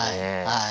はい。